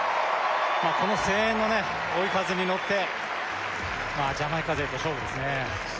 この声援のね追い風に乗ってジャマイカ勢と勝負ですね